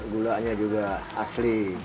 gulanya juga asli